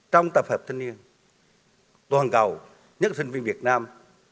trong tập hợp sinh viên toàn cầu nhất là sinh viên việt nam